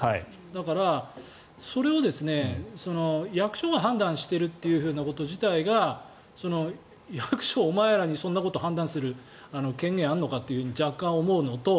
だから、それを役所が判断しているっていうこと自体が役所、お前らにそんなこと判断する権限があるのかと若干思うのと。